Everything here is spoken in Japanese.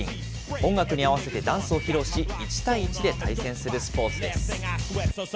音楽に合わせてダンスを披露し、１対１で対戦するスポーツです。